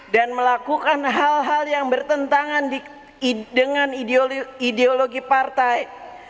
dan melakukan hal hal yang bertentangan dengan ideologi partai